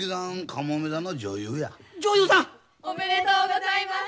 女優さん？おめでとうございます。